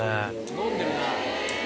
飲んでるな。